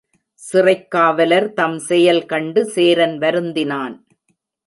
சிறைக் காவலர் தம் செயல் கண்டு சேரன் வருந்தினான்.